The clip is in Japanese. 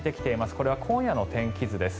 これは今夜の天気図です。